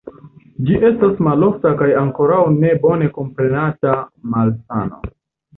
Ĝi estas malofta kaj ankoraŭ ne bone komprenata malsano.